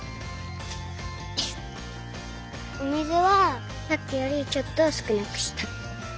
お水はさっきよりちょっとすくなくした。